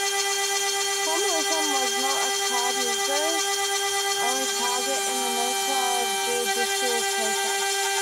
Formalism was not Cardozo's only target in "The Nature of the Judicial Process".